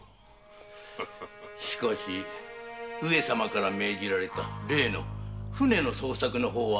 しかし上様から命じられた船の捜索の方は？